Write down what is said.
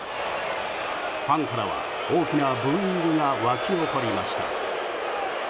ファンからは大きなブーイングが沸き起こりました。